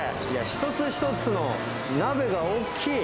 一つ一つの鍋が大きい！